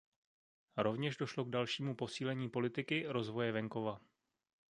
Rovněž došlo k dalšímu posílení politiky rozvoje venkova.